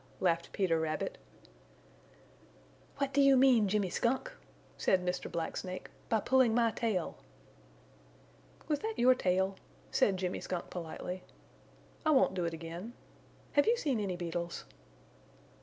laughed Peter Rabbit. "What do you mean, Jimmy Skunk," said Mr. Black Snake, "by pulling my tail?" "Was that your tail?" said Jimmy Skunk, politely. "I won't do it again. Have you seen any beetles?"